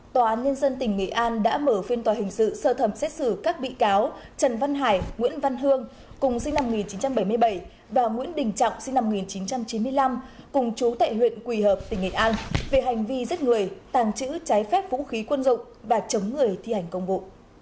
tòa án nhân dân tỉnh nghệ an đã mở phiên tòa hình sự sơ thẩm xét xử các bị cáo trần văn hải nguyễn văn hương cùng sinh năm một nghìn chín trăm bảy mươi bảy và nguyễn đình trọng sinh năm một nghìn chín trăm chín mươi năm cùng chú tại huyện quỳ hợp tỉnh nghệ an về hành vi giết người tàng trữ trái phép vũ khí quân dụng và chống người thi hành công vụ